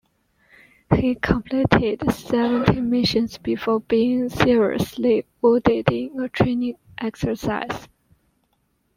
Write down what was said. He completed seventeen missions before being seriously wounded in a training exercise.